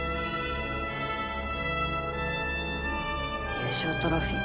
「優勝トロフィー」